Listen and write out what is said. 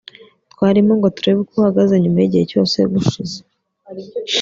twarimo ngo turebe uko uhagaze nyuma yigihe cyose gushize